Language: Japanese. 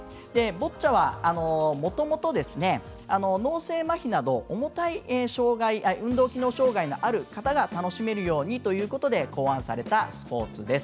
ボッチャは、もともと脳性まひなど重たい運動機能障がいのある方が楽しめるようにということで考案されたスポーツです。